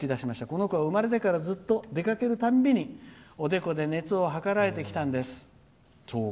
この子は生まれてから熱が出るたんびにおでこで熱を測られてきたんです」。